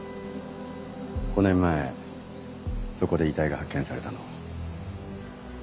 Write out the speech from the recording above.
５年前そこで遺体が発見されたのを。